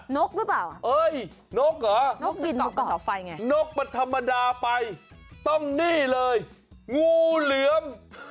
นกหรือเปล่านกบินมาก่อนนกมันธรรมดาไปต้องนี่เลยงูเหลือม